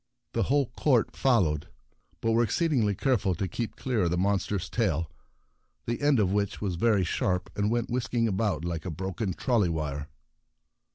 The whole court followed, but were exceedingly careful to keep clear of the monster's tail, the end of which was very sharp and went whisking about like a broken trolley wire.